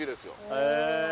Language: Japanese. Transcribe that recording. へえ。